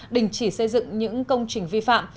đình chỉ xây dựng những công trình vi phạm